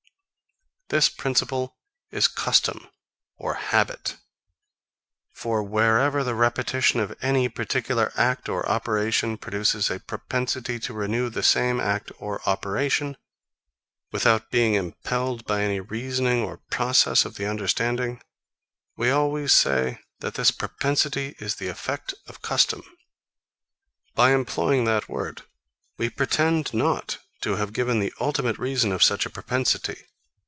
36. This principle is Custom or Habit. For wherever the repetition of any particular act or operation produces a propensity to renew the same act or operation, without being impelled by any reasoning or process of the understanding, we always say, that this propensity is the effect of Custom. By employing that word, we pretend not to have given the ultimate reason of such a propensity.